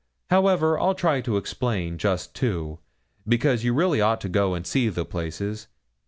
However, I'll try and explain just two because you really ought to go and see the places.